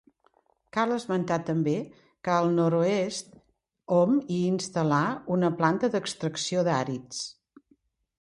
Cal esmentar també que al nord-oest hom hi instal·là una planta d'extracció d'àrids.